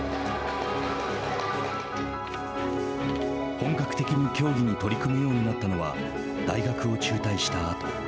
本格的に競技に取り組むようになったのは大学を中退したあと。